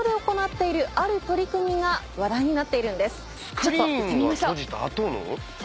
ちょっと行ってみましょう。